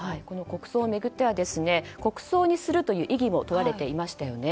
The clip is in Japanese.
国葬を巡っては国葬にするという意義も問われていましたね。